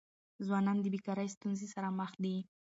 ځوانان د بيکاری ستونزې سره مخ دي.